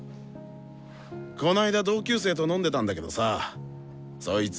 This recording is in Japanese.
この間同級生と飲んでたんだけどさそいつ